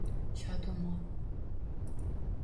Shodumon.